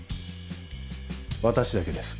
私だけです。